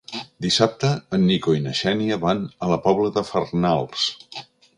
Dissabte en Nico i na Xènia van a la Pobla de Farnals.